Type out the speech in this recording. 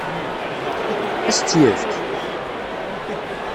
Ad as-tt-yefk?